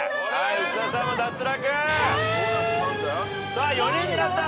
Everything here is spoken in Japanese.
さあ４人になった。